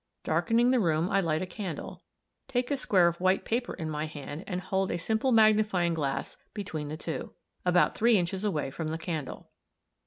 Darkening the room I light a candle, take a square of white paper in my hand, and hold a simple magnifying glass between the two (see Fig. 12) about three inches away from the candle.